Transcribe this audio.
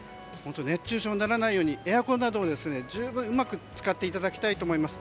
熱中症にならないようにエアコンなどをうまく使っていただきたいと思います。